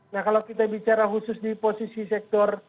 nah kalau kita bicara khusus di posisi sektor